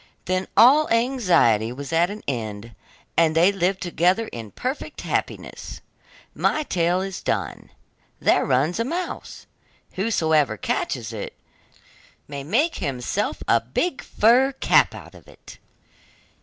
Then all anxiety was at an end, and they lived together in perfect happiness. My tale is done, there runs a mouse; whosoever catches it, may make himself a big fur cap out of it.